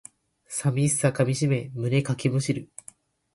寂しさかみしめ胸かきむしる